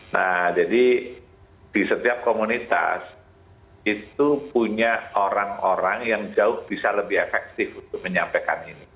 nah jadi di setiap komunitas itu punya orang orang yang jauh bisa lebih efektif untuk menyampaikan ini